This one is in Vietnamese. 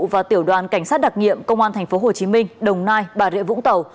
và tiểu đoàn cảnh sát đặc nhiệm công an tp hcm đồng nai bà rịa vũng tàu